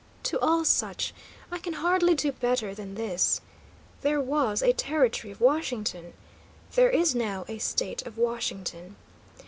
to all such, I can hardly do better than this: there was a Territory of Washington. There is now a State of Washington.